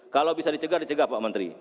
kalau bisa dicegah dicegah pak menteri